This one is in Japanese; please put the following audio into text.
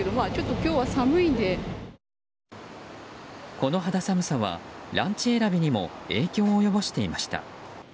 この肌寒さは、ランチ選びにも影響を及ぼしていました。